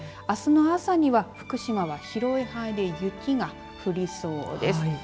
あすの朝には福島は広い範囲で雪が降りそうです。